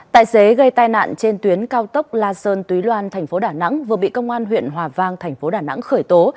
tài xế gây tai nạn trên tuyến cao tốc la sơn túy loan thành phố đà nẵng vừa bị công an huyện hòa vang thành phố đà nẵng khởi tố